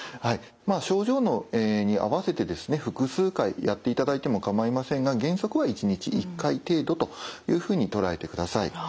症状に合わせて複数回やっていただいても構いませんが原則は１日１回程度というふうに捉えてください。